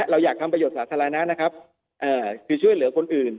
เราอยากทำประโยชน์สาธารณะนะครับคือช่วยเหลือคนอื่น